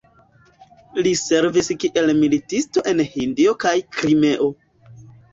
Li servis kiel militisto en Hindio kaj Krimeo.